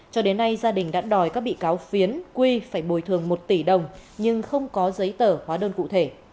cho đến nay gia đình đã đòi các bị cáo phiến quy phải bồi thường một tỷ đồng nhưng không có giấy tờ hóa đơn cụ thể